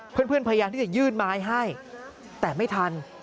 เพื่อนพยายามที่จะยื่นไม้ให้แต่ไม่ทัน